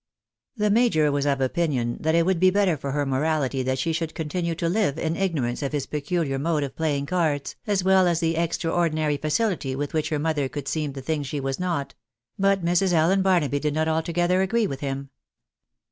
The major was of opinion that it would be better for her morahty that she should continue to live in ignorance of his peculiar mode of playing cards, as well as the extraordinary facility with which her mother could seem the thing she was not ; but Mrs. Allen Barnaby did not altogether agree with him.